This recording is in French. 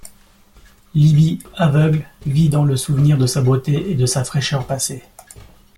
Libby, aveugle, vit dans le souvenir de sa beauté et de sa fraîcheur passée.